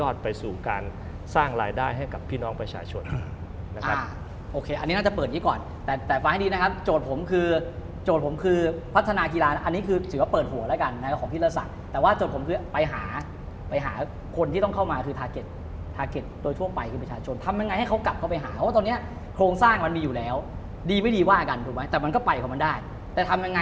อันนี้น่าจะเปิดอย่างนี้ก่อนแต่แต่ฟังให้ดีนะครับโจทย์ผมคือโจทย์ผมคือพัฒนากีฬาอันนี้คือถือว่าเปิดหัวแล้วกันนะครับของพิรศักดิ์แต่ว่าโจทย์ผมคือไปหาไปหาคนที่ต้องเข้ามาคือทาเก็ตทาร์เก็ตโดยทั่วไปคือประชาชนทำยังไงให้เขากลับเข้าไปหาเพราะว่าตอนเนี้ยโครงสร้างมันมีอยู่แล้วดีไม่ดีว่ากันถูกไหมแต่มันก็ไปของมันได้แต่ทำยังไง